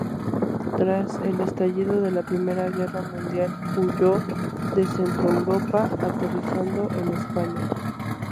Tras el estallido de la Primera Guerra Mundial, huyó de Centroeuropa, aterrizando en España.